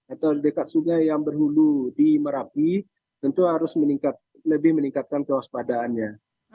atau dekat sungai yang berhulu di merapi tentu harus lebih meningkatkan kewaspadaannya